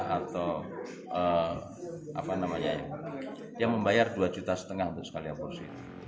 atau yang membayar dua juta setengah untuk sekali aborsi